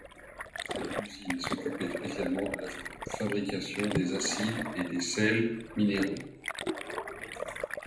Cette usine s'occupait spécialement de la fabrication des acides et des sels minéraux.